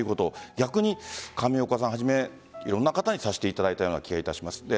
逆に上岡さんをはじめいろんな方にさせていただいたような気がします。